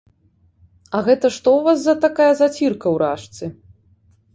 А гэта што ў вас за такая зацірка ў ражцы?